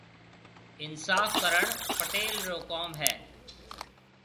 اِنصاف ڪرڻ پيٽل رو ڪوم هيَ۔